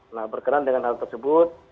nah berkenan dengan hal tersebut